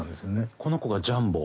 「この子がジャンボ」